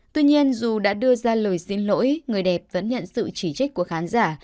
tuy nhiên dù đã đưa ra lời xin lỗi người đẹp vẫn nhận sự chỉ trích của khán giả